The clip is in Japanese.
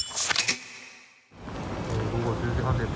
午後１０時半です。